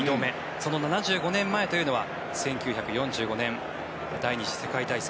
その７５年前というのは１９４５年第２次世界大戦。